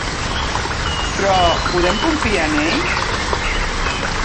Però, podem confiar en ell?